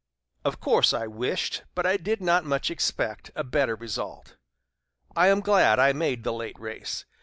Of course I wished, but I did not much expect a better result.... I am glad I made the late race.